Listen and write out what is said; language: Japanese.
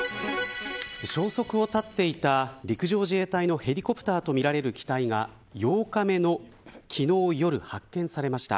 消息を絶っていた陸上自衛隊のヘリコプターとみられる機体が８日目の昨日夜発見されました。